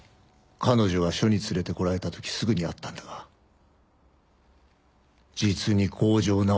彼女が署に連れて来られた時すぐに会ったんだが実に強情な女だった。